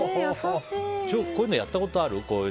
こういうのやったことある？